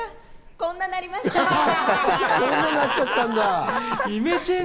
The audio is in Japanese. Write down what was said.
こんななっちゃったんだ！